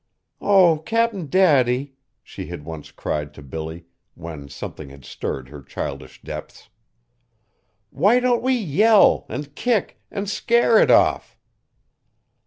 "Oh! Cap'n Daddy," she had once cried to Billy, when something had stirred her childish depths, "why don't we yell, and kick and scare it off?"